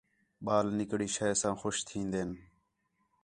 ٻال نِکڑی شے ساں خوش تِھین٘دِن